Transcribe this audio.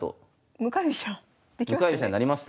向かい飛車になりました。